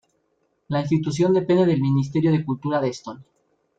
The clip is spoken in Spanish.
La institución depende del Ministerio de Cultura de Estonia.